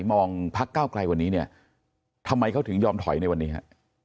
พักเก้าไกลวันนี้เนี่ยทำไมเขาถึงยอมถอยในวันนี้ฮะ